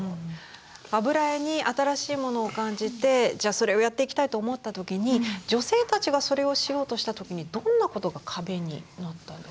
油絵に新しいものを感じてそれをやっていきたいと思った時に女性たちがそれをしようとした時にどんなことが壁になったんですか？